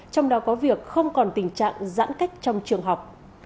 trong đó có việc không còn tình trạng giãn cách trong trường học